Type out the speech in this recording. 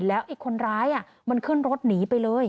แล้วไอ้คนร้ายมันขึ้นรถหนีไปเลย